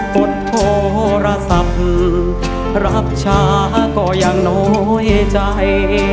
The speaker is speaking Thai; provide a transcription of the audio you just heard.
กดโทรศัพท์รับช้าก็ยังน้อยใจ